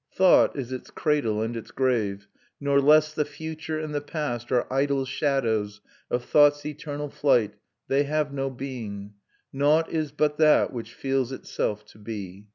Thought is its cradle and its grave; nor less The future and the past are idle shadows Of thought's eternal flight they have no being: Nought is but that which feels itself to be."